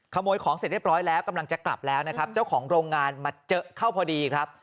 ขโมยของเสร็จเรียบร้อยแล้วกำลังจะกลับแล้วนะครับเจ้าของโรงงานมาเจอเข้าพอดีครับ